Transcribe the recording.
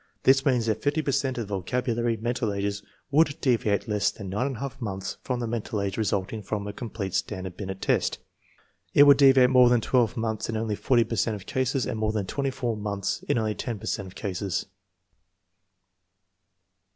This means that 50 per cent of the vocabulary mental ages would deviate less than 9j months from the mental age resulting from a complete Stanford Binet test. It would deviate more than 12 months in only 40 per cent of cases and more than 4 months in only 10 per cent of cases.